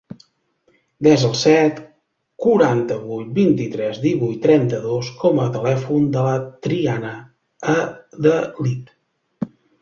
Desa el set, quaranta-vuit, vint-i-tres, divuit, trenta-dos com a telèfon de la Triana Adalid.